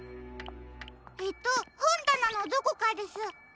えっとほんだなのどこかです。